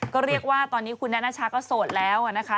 ก็เรียกว่าตอนนี้คุณนานาชาก็โสดแล้วนะคะ